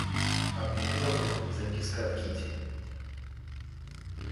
А приду домой, записка от Кити.